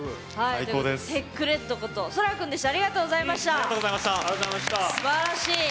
テックレッドことそら君でした。